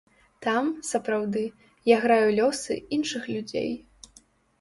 Там, сапраўды, я граю лёсы іншых людзей.